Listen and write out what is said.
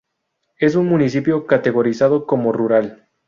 Es un municipio categorizado como Rural.